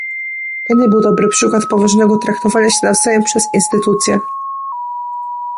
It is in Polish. To nie był dobry przykład poważnego traktowania się nawzajem przez instytucje